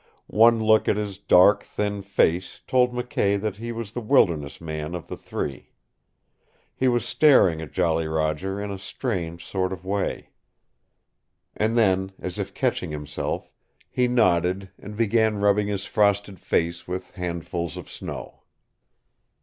One look at his dark, thin face told McKay that he was the wilderness man of the three. He was staring at Jolly Roger in a strange sort of way. And then, as if catching himself, he nodded, and began rubbing his frosted face with handfuls of snow.